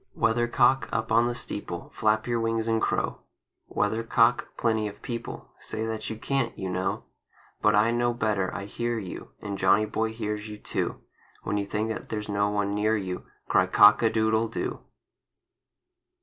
WEATHERCOCK, up on the steeple, Flap your wings and crow! Weathercock, plenty of people Say that you can't, you know. But I know better! I hear you, And Johnny Boy hears you, too, When you think that there's no one near you, Cry "Cock a doo doodle do!"